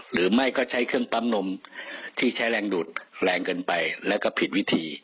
หรือไม่ก็ใช้เครื่องปั๊มนมที่ใช้แรงดูดแรงเกินไปแล้วก็ผิดวิธี